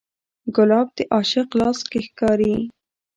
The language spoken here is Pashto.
ګلاب د عاشق لاس کې ښکاري.